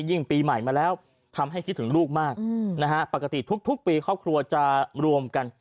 ปีใหม่มาแล้วทำให้คิดถึงลูกมากนะฮะปกติทุกปีครอบครัวจะรวมกัน